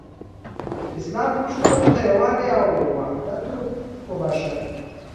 اسلام زموږ خلکو ته یووالی او حدت وروباښه.